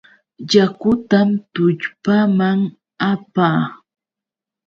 Yakutam tullpaaman apaa.